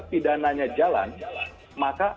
pidananya jalan maka